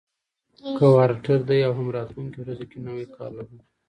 کوارټر دی او هم راتلونکو ورځو کې نوی کال لرو،